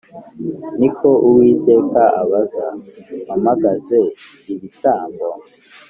Ni ko Uwiteka abaza“Mpamagaze ibitambo